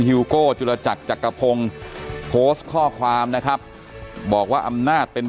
ฮิวโก้จุลจักรจักรพงศ์โพสต์ข้อความนะครับบอกว่าอำนาจเป็น